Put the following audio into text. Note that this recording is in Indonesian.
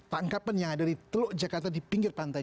tangkap penyang ada di teluk jakarta di pinggir pantai